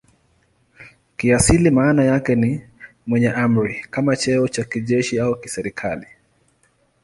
Kiasili maana yake ni "mwenye amri" kama cheo cha kijeshi au kiserikali.